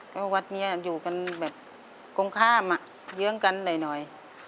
ก็วัดเนี้ยอยู่กันแบบคงข้ามอ่ะเยื้องกันหน่อยหน่อย